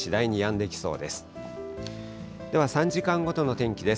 では３時間ごとの天気です。